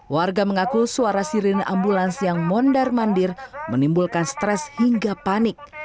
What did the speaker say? warga mengaku suara sirine ambulans yang mondar mandir menimbulkan stres hingga panik